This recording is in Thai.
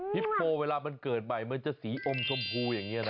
ฮิปโปเวลามันเกิดใหม่มันจะสีอมชมพูอย่างนี้นะ